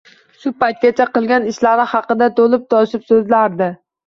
Shu paytgacha qilgan ishlari haqida to`lib-toshib so`zlardi